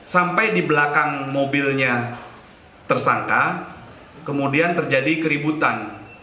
sampai di belakang mobilnya tersangka kemudian terjadi keributan